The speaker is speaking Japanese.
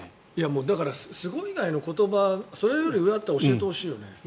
だから、すごい以外の言葉それより上があったら教えてほしいよね。